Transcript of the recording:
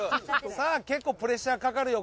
さあ結構プレシャーかかるよ